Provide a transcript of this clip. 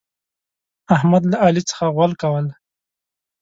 احمد له علي څخه غول کول.